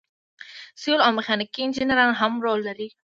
سیول او میخانیکي انجینران هم رول لري.